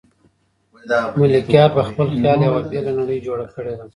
ملکیار په خپل خیال یوه بېله نړۍ جوړه کړې ده.